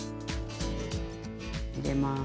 入れます。